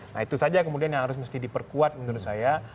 nah itu saja kemudian yang harus mesti diperkuat menurut saya